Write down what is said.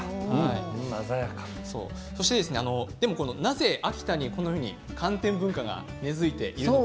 なぜ秋田がこのように寒天文化が根づいているのか。